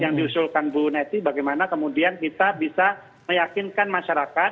yang diusulkan bu neti bagaimana kemudian kita bisa meyakinkan masyarakat